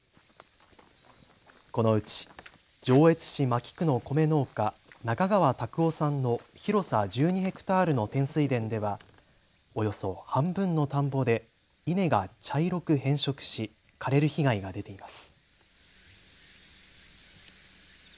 このうち上越市牧区の米農家、中川卓夫さんの広さ１２ヘクタールの天水田ではおよそ半分の田んぼで稲が茶色く変色し枯れる被害が出ています。